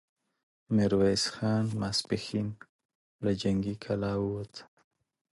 ميرويس خان ماسپښين له جنګي کلا ووت،